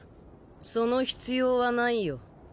その必要はないよ。